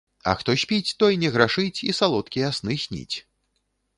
А хто спіць, той не грашыць і салодкія сны сніць.